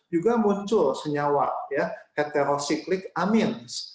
juga muncul senyawa ya heterosiklik amins